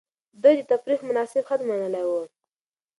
ده د تفريح مناسب حد منلی و.